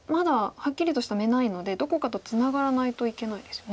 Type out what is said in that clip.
はっきりとした眼ないのでどこかとツナがらないといけないですよね。